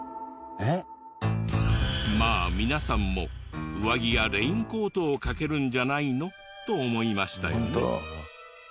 まあ皆さんも上着やレインコートをかけるんじゃないの？と思いましたよね？